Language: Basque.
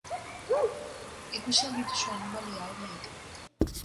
Ikusi al dituzu animalia horiek?